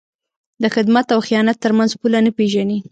د خدمت او خیانت تر منځ پوله نه پېژني.